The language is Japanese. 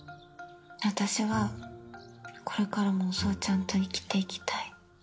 私はこれからもそうちゃんと生きていきたい。